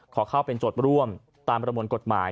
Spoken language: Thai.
ขอเข้าเป็นโจทย์ร่วมตามประมวลกฎหมาย